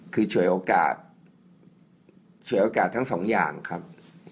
คือฉวยโอกาสฉวยโอกาสทั้งสองอย่างครับ